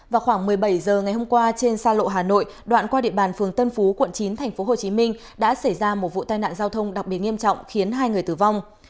vào khoảng một mươi bảy h ngày hôm qua trên xa lộ hà nội đoạn qua địa bàn phường tân phú quận chín tp hcm đã xảy ra một vụ tai nạn giao thông đặc biệt nghiêm trọng khiến hai người tử vong